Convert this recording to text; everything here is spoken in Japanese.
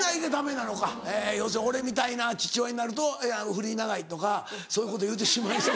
要するに俺みたいな父親になると「ふり長い」とかそういうこと言うてしまいそう。